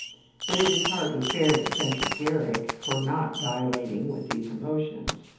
But it is hardly fair to censure Garrick for not dilating with these emotions.